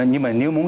nhưng mà nếu muốn